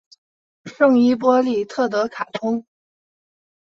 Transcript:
圣伊波利特德卡通。